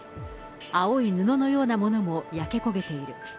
青い布のようなものも焼け焦げている。